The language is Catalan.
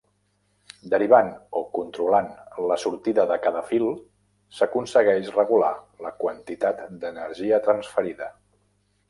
Derivant, o controlant, la sortida de cada fil s'aconsegueix regular la quantitat d'energia transferida.